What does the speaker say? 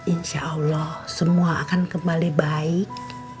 insya allah semua akan kembali baik